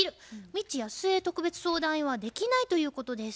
未知やすえ特別相談員は「できない」ということです。